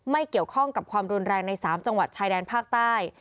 ไม่เกี่ยวข้องกับความรุนแรงใน๓จังหวัดชายแดนภาคใต้